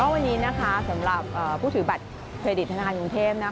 วันนี้สำหรับผู้ถือบัตรเครดิตธนาคารกรุงเทพ